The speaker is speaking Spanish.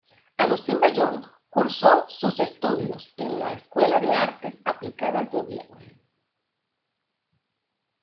Agustín Bayón cursó sus estudios en la Escuela de Artes Aplicadas de Oviedo.